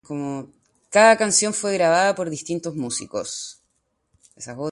Cada canción fue grabada por distintos músicos.